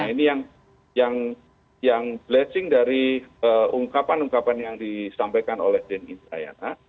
nah ini yang blessing dari ungkapan ungkapan yang disampaikan oleh denny indrayana